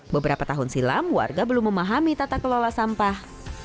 beberapa tahun silam warga belum memahami tata kelola sampah